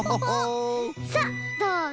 さあどうぞ！